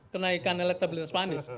kenaikan elektabilitas panas